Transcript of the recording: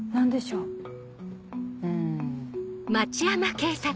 うん。